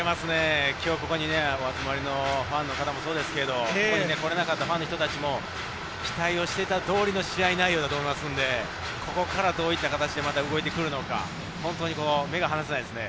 今日、ここにお集まりのファンの方もそうですけど、ここに来れなかったファンの人達も期待していた通りの試合内容だと思いますので、ここからどういった形で動いてくるのか、本当に目が離せないですね。